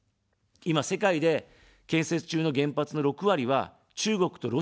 今、世界で建設中の原発の６割は、中国とロシアなんですね。